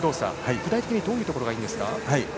具体的に、どういうところがいいですか？